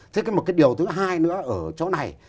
thế một cái điều thứ hai nữa ở chỗ này